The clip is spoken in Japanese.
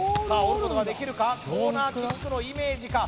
折ることができるかコーナーキックのイメージか